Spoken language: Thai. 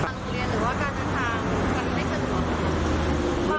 ทางโรงเรียนหรือการทางทางมันไม่สนุก